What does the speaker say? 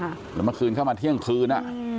แล้วเมื่อคืนเข้ามาเที่ยงคืน